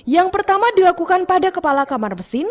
yang pertama dilakukan pada kepala kamar mesin